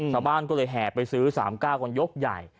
ชาวบ้านก็เลยแห่ไปซื้อ๓๙กันยกใหญ่